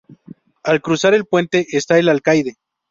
Al cruzar el puente, está el Alcaide.